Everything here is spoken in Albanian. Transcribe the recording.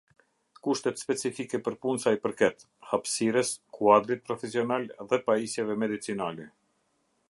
Kushtet specifike për punë sa i përket: hapësirës, kuadrit profesional, dhe pajisjeve medicinale.